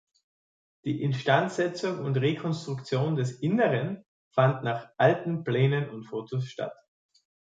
Die Instandsetzung und Rekonstruktion des Inneren fand nach alten Plänen und Fotos statt.